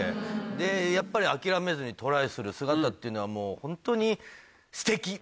でやっぱり諦めずにトライする姿っていうのはもうホントに。